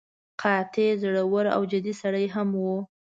قاطع، زړور او جدي سړی هم و.